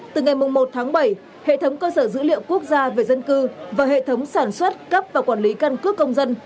từ ngày một tháng bảy hệ thống cơ sở dữ liệu quốc gia về dân cư và hệ thống sản xuất cấp và quản lý căn cước công dân